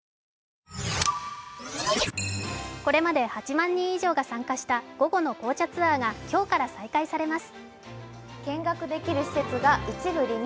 これまで８万人以上が参加した午後の紅茶ツアーが今日から再開されます。